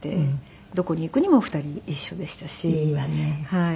はい。